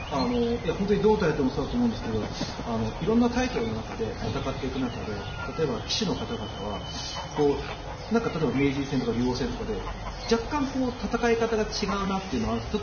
本当にどのタイトルもそうですけど色んなタイトルの中で戦っていく中で例えば棋士の方々は例えば名人戦とか竜王戦とかで若干、戦い方が違うなというのはあるんですか？